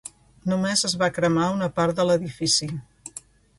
Només es va cremar una part de l’edifici.